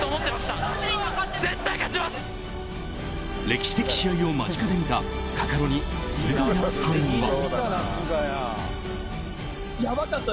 歴史的試合を間近で見たカカロニ・すがやさんは。